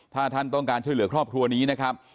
ถ้าท่านต้องการช่วยเหลือครอบครัวนี้นะครับ